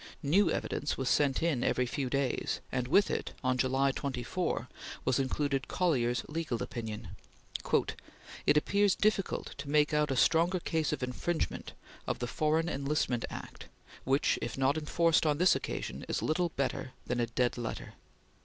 New evidence was sent in every few days, and with it, on July 24, was included Collier's legal opinion: "It appears difficult to make out a stronger case of infringement of the Foreign Enlistment Act, which, if not enforced on this occasion, is little better than a dead letter."